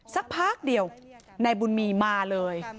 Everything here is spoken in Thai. สักพักเดียวนายบุญมีมาเลย